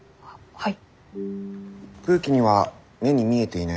はい。